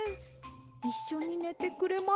いっしょにねてくれませんか？